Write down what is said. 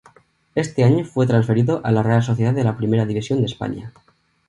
Ese año fue transferido a la Real Sociedad de la Primera División de España.